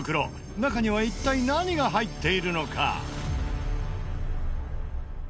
中には一体何が入っているのか？